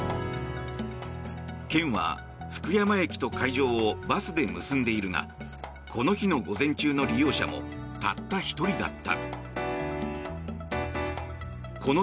県は福山駅と会場をバスで結んでいるがこの日の午前中の利用者もたった１人だった。